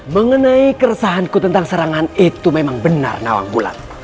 mengenai keresahanku tentang serangan itu memang benar nawang bulan